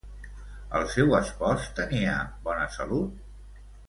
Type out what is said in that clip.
El seu espòs tenia bona salut?